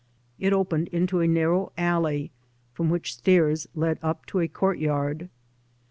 It opened into a narrow alley from which stairs led up to a courtyard.